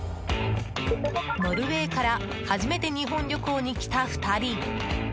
ノルウェーから初めて日本旅行に来た２人。